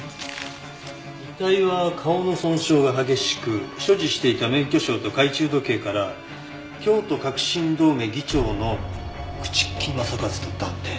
遺体は顔の損傷が激しく所持していた免許証と懐中時計から京都革新同盟議長の朽木政一と断定。